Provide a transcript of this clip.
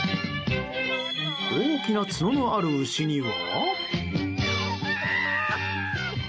大きな角のある牛には。